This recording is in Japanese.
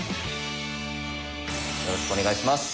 よろしくお願いします。